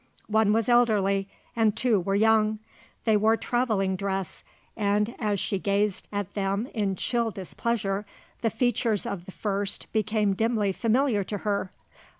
One was elderly and two were young; they wore travelling dress, and, as she gazed at them in chill displeasure, the features of the first became dimly familiar to her.